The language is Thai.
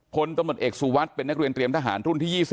ผตสวเป็นนักเรียนเตรียมทหารรุ่นที่๒๐